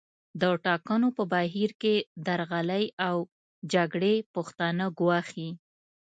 د ټاکنو په بهیر کې درغلۍ او جګړې پښتانه ګواښي